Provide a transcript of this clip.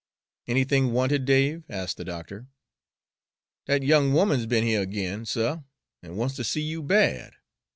"Anything wanted, Dave?" asked the doctor. "Dat young 'oman's be'n heah ag'in, suh, an' wants ter see you bad.